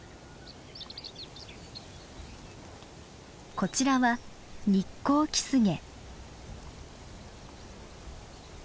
こちらはニッコウキスゲ。